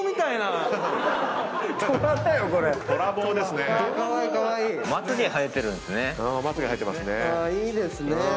いいですね。